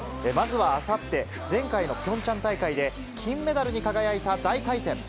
まずはあさって、前回のピョンチャン大会で、金メダルに輝いた大回転。